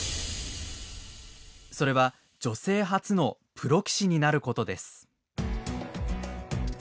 それは女性初のプロ棋士になることです。